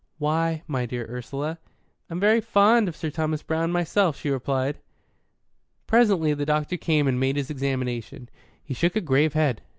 "Why, my dear Ursula?" "I'm very fond of Sir Thomas Browne, myself," she replied. Presently the doctor came and made his examination. He shook a grave head.